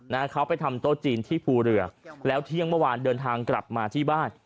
นะเขาไปทำโต๊ะจีนที่ภูเรือแล้วเที่ยงเมื่อวานเดินทางกลับมาที่บ้าน